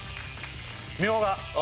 みょうが。